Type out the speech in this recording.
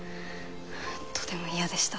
とても嫌でした。